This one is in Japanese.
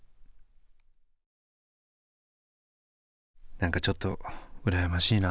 何かちょっと羨ましいな。